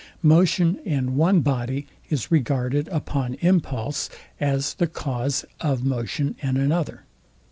Motion in one body is regarded upon impulse as the cause of motion in another.